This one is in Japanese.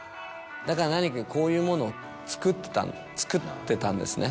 だから何かこういうものを作ってたんですね。